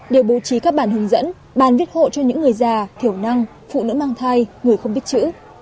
đều bố trí các bản hướng dẫn bàn viết hộ cho những người già thiểu năng phụ nữ mang thai người không biết chữ